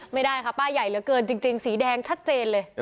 ไม่ได้ค่ะป้ายใหญ่เหลือเกินจริงสีแดงชัดเจนเลย